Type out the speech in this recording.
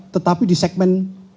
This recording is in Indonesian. tetapi di segmen